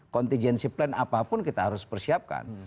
contingency plan apapun kita harus persiapkan